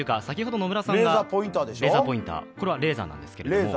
先ほど野村さんがレーザーポインター、これはレーザーなんですけれども。